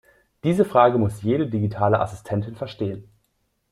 Diese Frage muss jede digitale Assistentin verstehen.